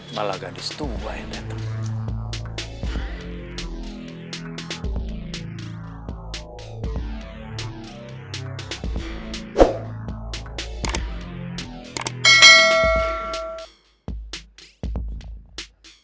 malah gadis tua yang datang